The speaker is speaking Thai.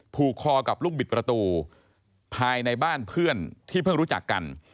ผูกคอกับลูกบิดประตูภายในบ้านเพื่อนที่เพิ่งรู้จักกัน